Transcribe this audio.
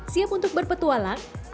siap untuk berpetualang